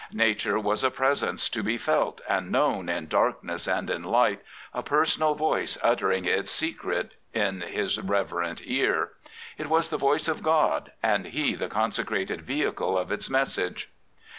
Nature was a Presence to be felt and known in darkness and in light," a personal voice uttering its secrets in his reverent ear. It was the voice of God, and he the consecrated vehicle of its message.